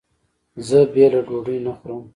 زه بېله ډوډۍ نه خورم.